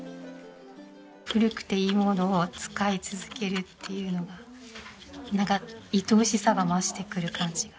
古くていいものを使い続けるっていうのがなんかいとおしさが増してくる感じが。